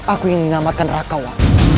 aku ingin menamatkan rakawa